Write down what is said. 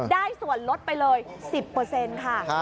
ได้ส่วนลดไปเลย๑๐ค่ะ